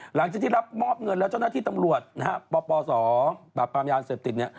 หลังจากที่รับมอบเงินแล้วเจ้าหน้าที่ตำรวจนะฮะปปศปราบปรามยาเสพติดเนี่ย